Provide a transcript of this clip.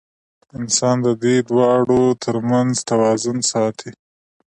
انسان د دې دواړو تر منځ توازن ساتي.